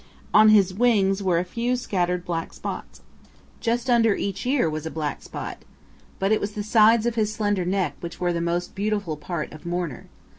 On his wings were a few scattered black spots. Just under each ear was a black spot. But it was the sides of his slender neck which were the most beautiful part of Mourner.